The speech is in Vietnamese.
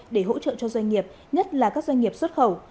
để hỗ trợ cho doanh nghiệp nhất là các doanh nghiệp xuất khẩu